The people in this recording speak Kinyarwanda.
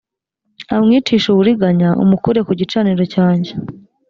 amwicishe uburiganya umukure ku gicaniro cyanjye